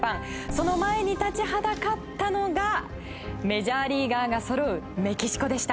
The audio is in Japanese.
その前に立ちはだかったのがメジャーリーガーがそろうメキシコでした。